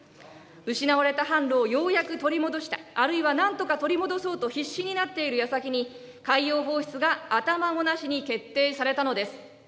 失われた販路をようやく取り戻した、あるいはなんとか取り戻そうと必死になっているやさきに、海洋放出が頭ごなしに決定されたのです。